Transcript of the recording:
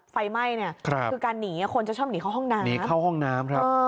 ไฟไหม้คือการหนีคนจะชอบหนีเข้าห้องน้ำ